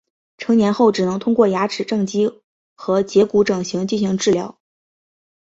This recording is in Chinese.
成年后只能通过牙齿正畸和截骨整形进行治疗。